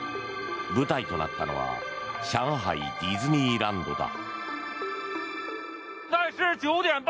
舞台となったのは上海ディズニーランドだ。